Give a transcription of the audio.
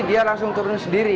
dia langsung turun sendiri